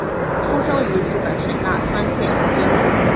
出生于日本神奈川县横滨市。